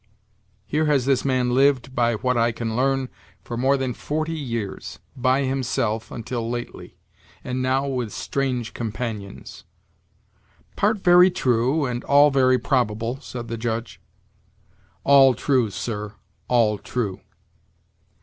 Here has this man lived, by what I can learn, for more than forty years by himself, until lately; and now with strange companions." "Part very true, and all very probable," said the Judge. "All true, sir; all true.